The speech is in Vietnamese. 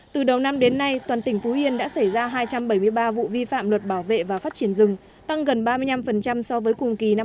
từ đầu năm đến nay toàn tỉnh phú yên đã xảy ra hai trăm bảy mươi ba vụ vi phạm luật bảo vệ và phát triển rừng tăng gần ba mươi năm so với cùng kỳ năm hai nghìn một mươi chín